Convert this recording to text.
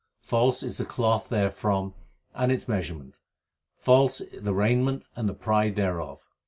False is the cloth therefrom and its measurement ; false the raiment and the pride thereof.